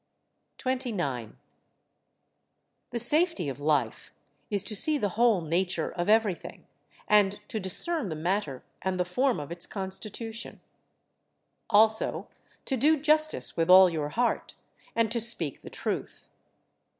29. The safety of life is to see the whole nature of everything, and to discern the matter and the form of its constitution; also to do justice with all your heart, and to speak the truth.